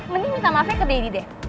mending minta maafnya ke dede deh